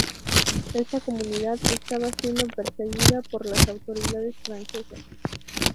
Esta comunidad estaba siendo perseguida por las autoridades francesas.